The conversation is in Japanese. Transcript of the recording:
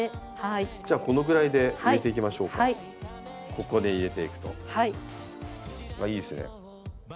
ここで入れていくといいですね。